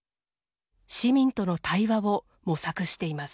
市民との対話を模索しています。